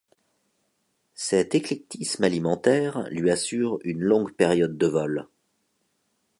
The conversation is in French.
Cet éclectisme alimentaire lui assure une longue période de vol.